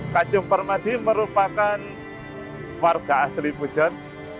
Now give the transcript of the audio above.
kacung permadi merupakan warga asli pujan